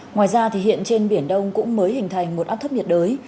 ngoài ra hiện trên biển đông cũng mới hình thành một áp thấp nhiệt đới